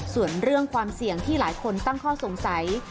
ส่วนเรื่องความเสี่ยงที่หลายคนตั้งข้อสงสัย